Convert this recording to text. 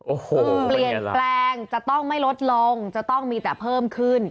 โอ้โหเปลี่ยนแปลงจะต้องไม่ลดลงจะต้องมีแต่เพิ่มขึ้น